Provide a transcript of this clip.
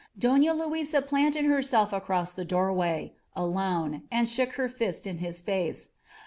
Dona Luisa planted herself across the doorway — alone — and shook her fist in his face.